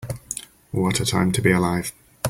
What a time to be alive.